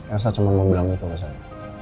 elsa cuma mau bilang itu ke saya